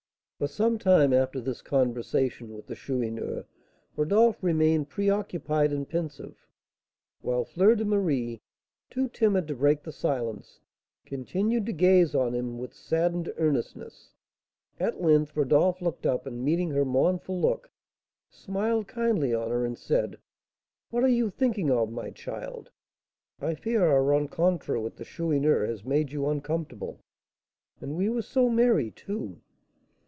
For some time after this conversation with the Chourineur, Rodolph remained preoccupied and pensive, while Fleur de Marie, too timid to break the silence, continued to gaze on him with saddened earnestness. At length Rodolph looked up, and, meeting her mournful look, smiled kindly on her, and said, "What are you thinking of, my child? I fear our rencontre with the Chourineur has made you uncomfortable, and we were so merry, too."